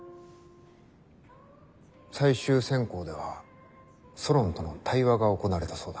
最終選考ではソロンとの対話が行われたそうだ。